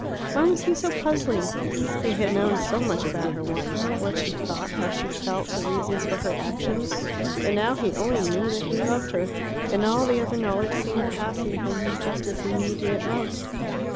Why was he so puzzling? He had known so much about her once what she thought, how she felt, the reasons for her actions. And now he only knew that he loved her, and all the other knowledge seemed passing from him just as he needed it most.